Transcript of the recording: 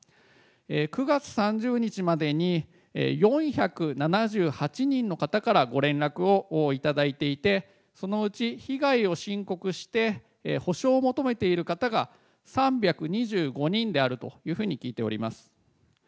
９月３０日までに、４７８人の方からご連絡をいただいていて、そのうち被害を申告して補償を求めている方が３２５人であるというふうに聞いております。